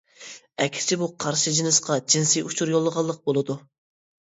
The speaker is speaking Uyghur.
ئەكسىچە بۇ قارشى جىنسقا جىنسىي ئۇچۇر يوللىغانلىق بولىدۇ.